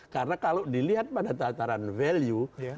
karena kalau dilihat pada tataran value